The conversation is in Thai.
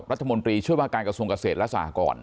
รัฐมนตรีช่วยว่าการกระทรวงเกษตรและสหกร